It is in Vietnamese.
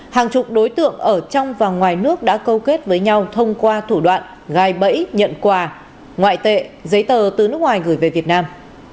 hàng chục đối tượng ở trong và ngoài nước đã câu kết với nhau thông qua thủ đoạn gai bẫy nhận quà ngoại tệ giấy tờ từ nước ngoài gửi về việt nam